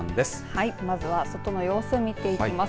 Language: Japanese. はい、まずは外の様子を見ていきます。